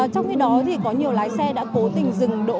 trong khi đó thì có nhiều lái xe đã cố tình dừng đỗ